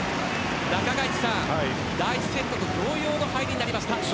中垣内さん、第１セットと同様の入りでした。